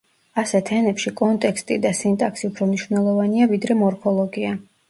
ასეთ ენებში კონტექსტი და სინტაქსი უფრო მნიშვნელოვანია, ვიდრე მორფოლოგია.